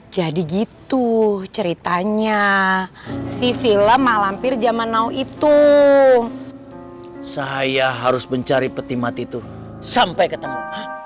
jadi gitu ceritanya si film malampir zaman now itu saya harus mencari peti mati tuh sampai ketemu